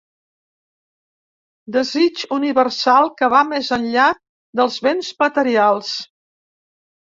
Desig universal que va més enllà dels bens materials.